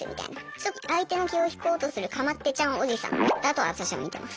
ちょっと相手の気を引こうとするかまってちゃんオジさんだと私は見てます。